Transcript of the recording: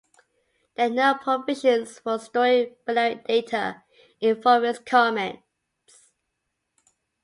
There are no provisions for storing binary data in Vorbis comments.